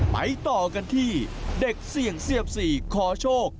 ไปต่อกันที่เด็กเสี่ยงเสียบสี่ขอโชค